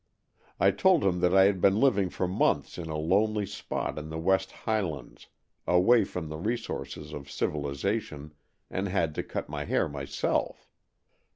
I told him that I had been living for months in a lonely spot in the West Highlands, away from the resources of civilization, and had to cut my hair myself.